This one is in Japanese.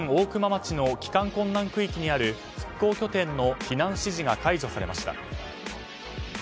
町の帰還困難区域にある復興拠点の避難指示が解除されました。